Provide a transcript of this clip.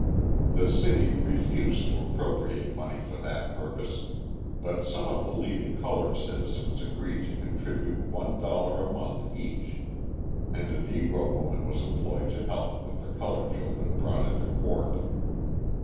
The city refused to appropriate money for that purpose, but some of the leading coloured citizens agreed to contribute one dollar a month each, and a Negro woman was employed to help with the coloured children brought into court.